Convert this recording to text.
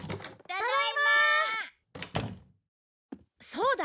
そうだ！